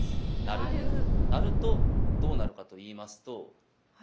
成るとどうなるかといいますと。